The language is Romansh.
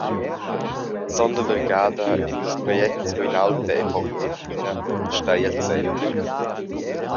Sonda vargada ein ils projects Ruinaulta e Porta Alpina stai el center.